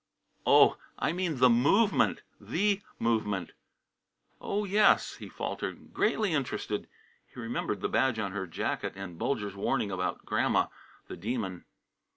"Oh, I mean the Movement the movement!" "Oh, yes," he faltered. "Greatly interested!" He remembered the badge on her jacket, and Bulger's warning about Grandma, the Demon.